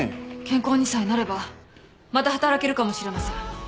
健康にさえなればまた働けるかもしれません。